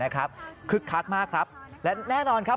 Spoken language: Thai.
คึกคักมากครับและแน่นอนครับ